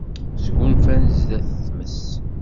Sgunfan sdat tmes.